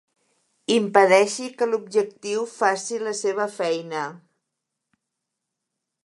Impedeixi que l'objectiu faci la seva feina.